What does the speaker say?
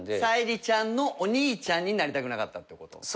沙莉ちゃんのお兄ちゃんになりたくなかったってこと？